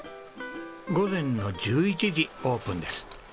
午前の１１時オープンです。